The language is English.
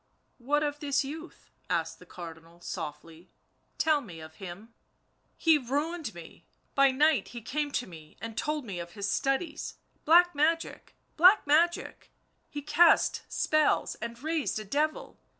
..." "What of this youth?" asked the Cardinal softly, " tell me of him." " He ruined me — by night he came to me and told me of his studies — black magic ! black magic !... he cast spells and raised a devil